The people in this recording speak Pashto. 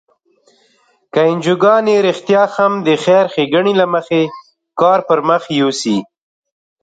که انجوګانې رښتیا هم د خیر ښیګڼې له مخې کار پر مخ یوسي.